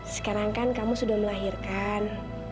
sekarang kan kamu sudah melahirkan